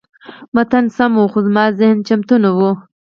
متن سم و، خو زما ذهن چمتو نه و.